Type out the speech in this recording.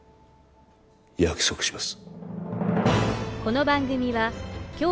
約束します